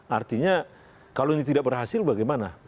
artinya kalau ini tidak berhasil bagaimana